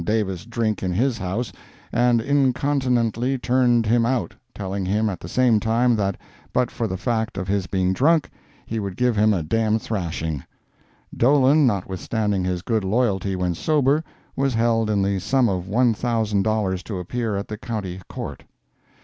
Davis drink in his house, and incontinently turned him out, telling him at the same time that but for the fact of his being drunk, he would give him a d—d thrashing. Dolan, notwithstanding his good loyalty when sober, was held in the sum of one thousand dollars to appear at the County Court.